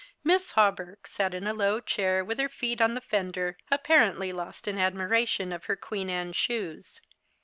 ]Miss Hawberk sat in a low chair, with her feet on the fender, apparently lost in admiration of her Queen Anne shoes.